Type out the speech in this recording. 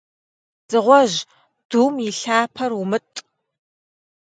Дзыгъуэжь, дум и лъапэр умытӀ.